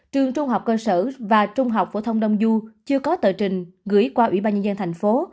trường trung học cơ sở và trung học phổ thông đông du chưa có tờ trình gửi qua ủy ban nhân dân thành phố